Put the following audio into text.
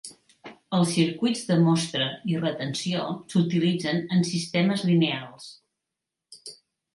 Els circuits de mostra i retenció s'utilitzen en sistemes lineals.